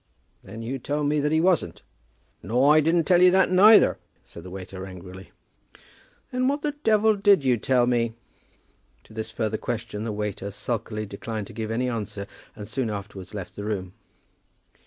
"Then you told me that he wasn't." "Nor I didn't tell you that neither," said the waiter angrily. "Then what the devil did you tell me?" To this further question the waiter sulkily declined to give any answer, and soon afterwards left the room.